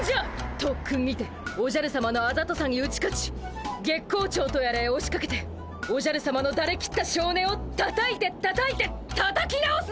とっくんにておじゃるさまのあざとさに打ち勝ち月光町とやらへおしかけておじゃるさまのだれきったしょうねをたたいてたたいてたたき直すのじゃ！